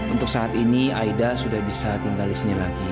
untuk saat ini aida sudah bisa tinggal di sini lagi